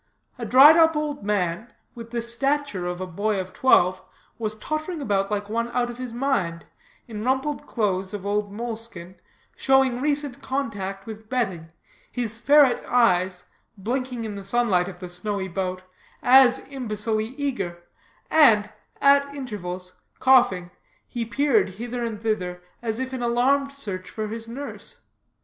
A dried up old man, with the stature of a boy of twelve, was tottering about like one out of his mind, in rumpled clothes of old moleskin, showing recent contact with bedding, his ferret eyes, blinking in the sunlight of the snowy boat, as imbecilely eager, and, at intervals, coughing, he peered hither and thither as if in alarmed search for his nurse.